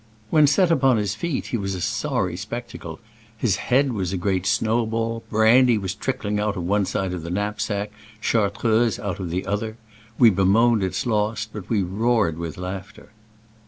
When set upon his feet he was a sorry spectacle : his head was a great snow ball, brand) was trickling out of one side of the knapsack, Chartreuse out of the other. We bemoaned its loss, but we roared with laughter.